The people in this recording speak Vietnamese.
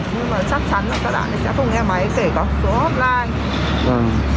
nhưng mà chắc chắn là các bạn sẽ không nghe máy kể cả số offline